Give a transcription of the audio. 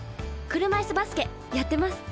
車いすバスケやってます。